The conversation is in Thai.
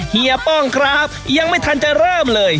เฮียป้องครับยังไม่ทันจะเริ่มเลย